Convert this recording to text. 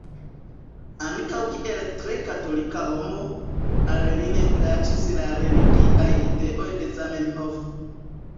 Ankaŭ kiel tre katolika homo, al li ne plaĉis la religiaj ideoj de Zamenhof.